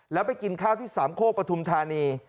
แล้วไปกินข้าวที่สามโคกปฐุมธานี